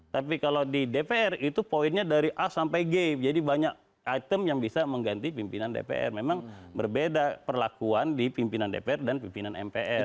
tapi kalau di dpr itu poinnya dari a sampai g jadi banyak item yang bisa mengganti pimpinan dpr memang berbeda perlakuan di pimpinan dpr dan pimpinan mpr